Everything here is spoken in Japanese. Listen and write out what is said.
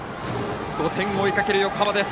５点を追いかける横浜です。